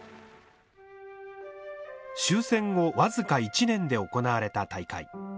終戦後僅か１年で行われた大会。